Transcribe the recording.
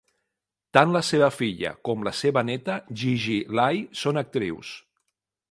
Tant la seva filla com la seva neta, Gigi Lai, són actrius.